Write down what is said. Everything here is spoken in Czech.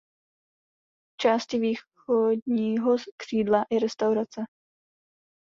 V části východního křídla je restaurace.